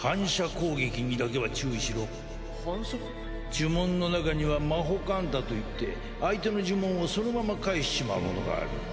呪文のなかにはマホカンタといって相手の呪文をそのまま返しちまうものがある。